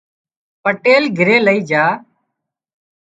پٽيل گھري لئي جھا